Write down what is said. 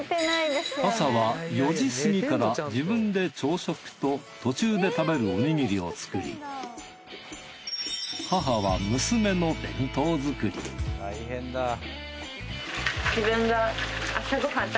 朝は４時すぎから自分で朝食と途中で食べるおにぎりを作り大変だ。